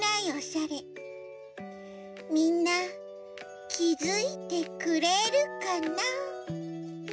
みんなきづいてくれるかな？